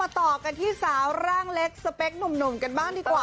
ต่อกันที่สาวร่างเล็กสเปคหนุ่มกันบ้างดีกว่า